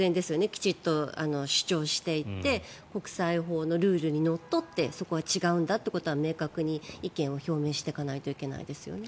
きちんと主張していって国際法のルールにのっとってそこは違うんだということは明確に意見を表明していかないといけないですよね。